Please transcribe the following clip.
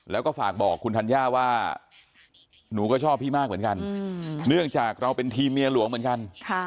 แล้วก็ฝากบอกคุณธัญญาว่าหนูก็ชอบพี่มากเหมือนกันเนื่องจากเราเป็นทีมเมียหลวงเหมือนกัน